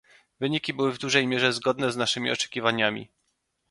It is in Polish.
Wyniki były w dużej mierze zgodne z naszymi oczekiwaniami